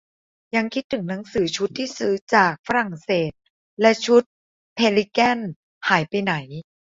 ยังคิดถึงหนังสือชุดที่ซื้อจากฝรั่งเศสและชุดเพลิแกน หายไปไหน